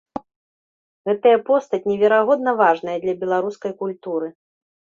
Гэтая постаць неверагодна важная для беларускай культуры.